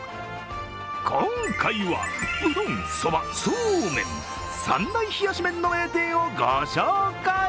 今回はうどん、そば、そうめん、３大冷やし麺の名店をご紹介。